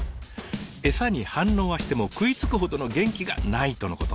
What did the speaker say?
エサに反応はしても食いつくほどの元気がないとのこと。